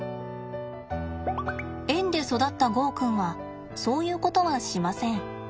園で育ったゴーくんはそういうことはしません。